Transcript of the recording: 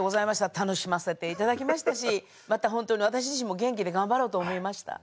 楽しませて頂きましたしまたホントに私自身も元気で頑張ろうと思いました。